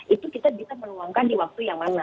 itu kita bisa menuangkan di waktu yang mana